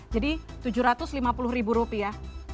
jadi tujuh ratus lima puluh ribu rupiah